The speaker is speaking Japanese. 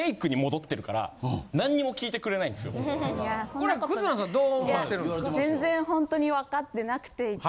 これは忽那さんどう思ってるんですか？